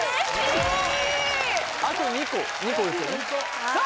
あと２個２個ですよねさあ